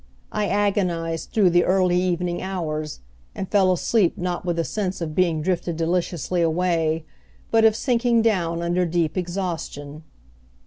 I agonized through the early evening hours, and fell asleep not with a sense of being drifted deliciously away, but of sinking down under deep exhaustion.